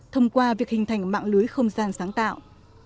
thông qua việc hình thành mạng lưới không gian sáng tạo